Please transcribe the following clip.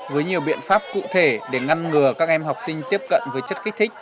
với nhiều biện pháp cụ thể để ngăn ngừa các em học sinh tiếp cận với chất kích thích